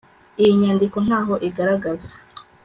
iyi nyandiko ntaho igaragaza